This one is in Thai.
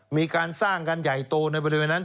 มีการสร้างกันใหญ่โตในบริเวณนั้น